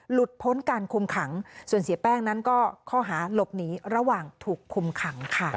พ้นการคุมขังส่วนเสียแป้งนั้นก็ข้อหาหลบหนีระหว่างถูกคุมขังค่ะ